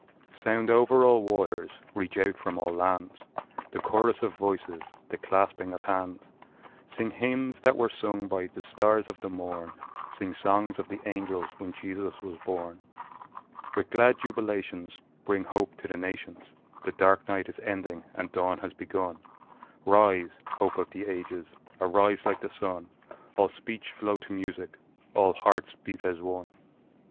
Sound over all waters, reach out from all lands, The chorus of voices, the clasping of hands; Sing hymns that were sung by the stars of the morn, Sing songs of the angels when Jesus was born! With glad jubilations Bring hope to the nations The dark night is ending and dawn has begun Rise, hope of the ages, arise like the sun, All speech flow to music, all hearts beat as one! II.